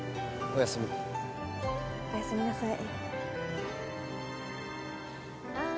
おやすみなさい。